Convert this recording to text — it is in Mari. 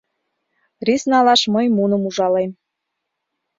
Рис налаш мый муным ужалем...